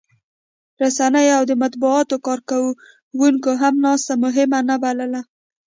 رسنیو او د مطبوعاتو کارکوونکو هم ناسته مهمه نه بلله